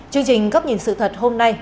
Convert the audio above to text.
chương trình góc nhìn sự thật hôm nay